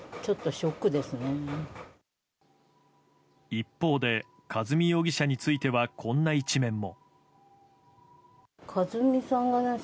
一方で、和美容疑者についてはこんな一面も。